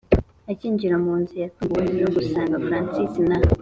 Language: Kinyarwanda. akinjira munzu yatunguwe nogusanga francis na